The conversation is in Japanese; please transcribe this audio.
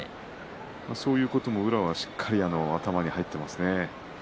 そういうことも宇良はしっかり頭に入っていますね。